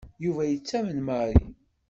Yuba yettamen Mary.